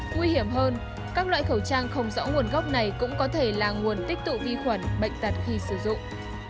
nguy hiểm hơn các loại khẩu trang không rõ nguồn gốc này cũng có thể là nguồn tích tụ vi khuẩn bệnh tật khi sử dụng